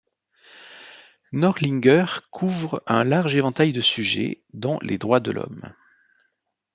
Nordlinger couvre un large éventail de sujets, dont les droits de l'homme.